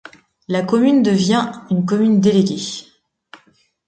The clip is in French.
La commune devient un commune déléguée.